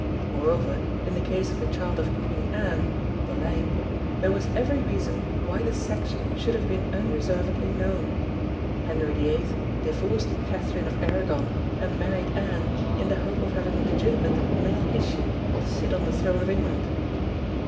Moreover in the case of the child of Queen Anne (Boleyn) there was every reason why the sex should have been unreservedly known. Henry VIII divorced Katherine of Aragon and married Anne in the hope of having legitimate male issue to sit on the throne of England.